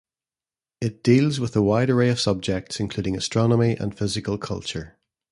It deals with a wide array of subjects including astronomy and physical culture.